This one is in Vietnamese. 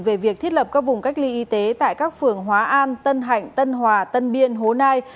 về việc thiết lập các vùng cách ly y tế tại các phường hóa an tân hạnh tân hòa tân biên hố nai